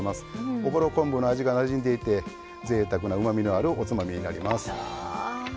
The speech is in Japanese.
おぼろ昆布の味がなじんでいてぜいたくな、うまみのあるおつまみになります。